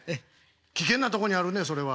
危険な所にあるねそれは。